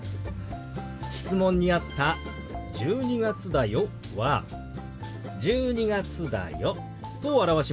質問にあった「１２月だよ」は「１２月だよ」と表しますよ。